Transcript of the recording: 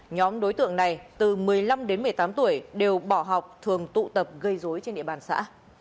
nhóm đối tượng này từ một mươi năm đến một mươi tám tuổi đều bỏ học thường tụ tập gây dối trên địa bàn xã